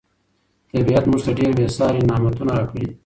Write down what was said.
طبیعت موږ ته ډېر بې ساري نعمتونه راکړي دي.